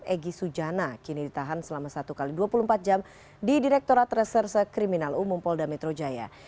egy sujana kini ditahan selama satu x dua puluh empat jam di direktorat reserse kriminal umum polda metro jaya